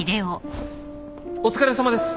お疲れさまです！